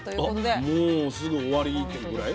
あもうすぐ終わりっていうぐらい？